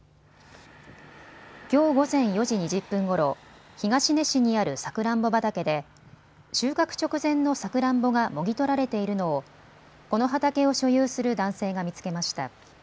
きょう午前４時２０分ごろ、東根市にあるさくらんぼ畑で収穫直前のさくらんぼがもぎ取られているのをこの畑を所有する男性が見つけました。